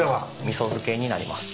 味噌漬けになります。